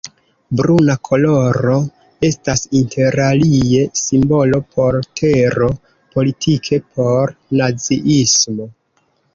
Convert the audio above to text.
Bruna koloro estas interalie simbolo por tero; politike por naziismo.